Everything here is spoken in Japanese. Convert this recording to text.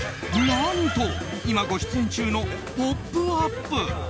何と今ご出演中の「ポップＵＰ！」。